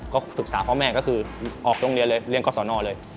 ก็ปรึกษาพ่อแม่ก็คือออกโรงเรียนเลยเรียนกศนเลย